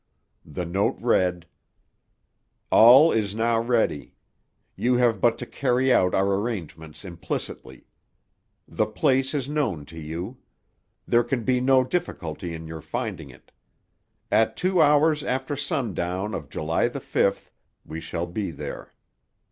The note read: "All is now ready. You have but to carry out our arrangements implicitly. The place is known to you. There can be no difficulty in your finding it. At two hours after sundown of July the fifth we shall be there.